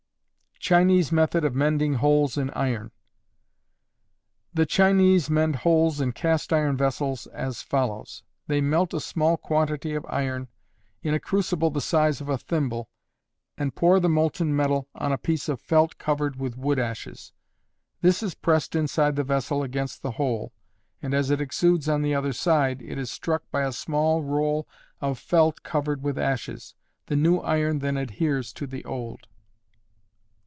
Chinese Method of Mending Holes in Iron. The Chinese mend holes in cast iron vessels as follows: They melt a small quantity of iron in a crucible the size of a thimble, and pour the molten metal on a piece of felt covered with wood ashes. This is pressed inside the vessel against the hole, and as it exudes on the other side it is struck by a small roll of felt covered with ashes. The new iron then adheres to the old.